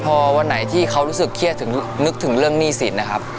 พอวันไหนที่เขารู้สึกเครียดถึงนึกถึงเรื่องหนี้สินนะครับ